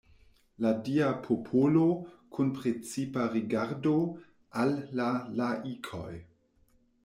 La Dia popolo kun precipa rigardo al la laikoj.